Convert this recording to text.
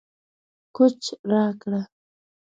کوچ راکړه